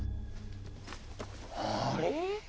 あれ？